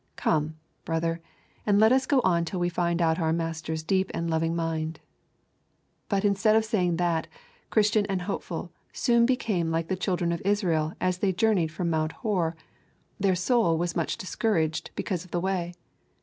Come, brother, and let us go on till we find out our Master's deep and loving mind. But, instead of saying that, Christian and Hopeful soon became like the children of Israel as they journeyed from Mount Hor, their soul was much discouraged because of the way.